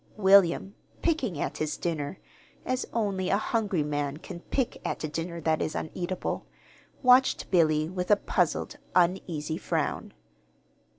William, picking at his dinner as only a hungry man can pick at a dinner that is uneatable watched Billy with a puzzled, uneasy frown.